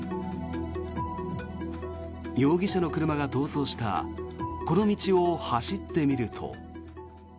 容疑者の車が逃走したこの道を走ってみると。